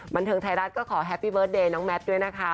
บันเทิงไทยรัฐก็ขอแฮปปี้เบิร์ตเดย์น้องแมทด้วยนะคะ